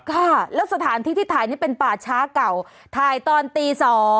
ค่ะแล้วสถานที่ที่ถ่ายนี่เป็นป่าช้าเก่าถ่ายตอนตี๒